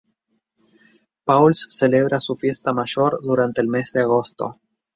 Pauls celebra su fiesta mayor durante el mes de agosto.